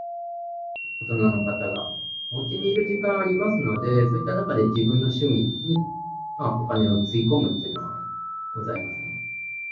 大人の方が、おうちにいる時間がありますので、そういった中で自分の趣味にお金をつぎ込むっていうのはございますね。